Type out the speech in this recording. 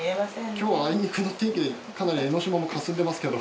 今日はあいにくの天気でかなり江ノ島も霞んでますけど。